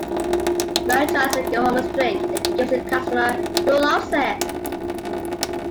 Moe tries making Homer's drink, and gives it to a customer, who loves it.